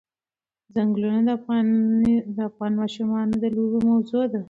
ځنګلونه د افغان ماشومانو د لوبو موضوع ده.